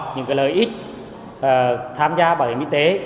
những lợi ích tham gia bảo hiểm y tế